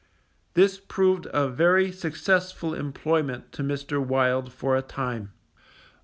This proved a very successful employment to Mr. Wild for a time.